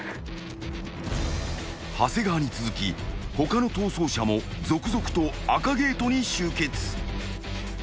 ［長谷川に続き他の逃走者も続々と赤ゲートに集結］